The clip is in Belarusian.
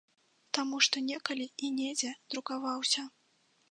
Таму што некалі і недзе друкаваўся.